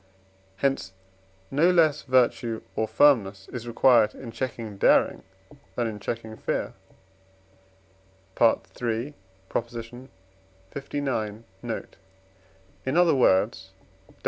hence, no less virtue or firmness is required in checking daring than in checking fear (III. lix. note); in other words (Def.